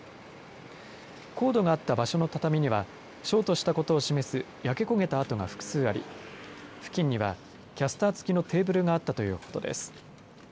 コードがあった場所の畳にはショートしたことを示す焼け焦げた跡が複数あり付近にはキャスター付きのテーブルがあったということです。